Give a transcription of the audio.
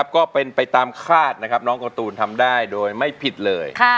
ก็เป็นไปตามคาดนะครับน้องการ์ตูนทำได้โดยไม่ผิดเลย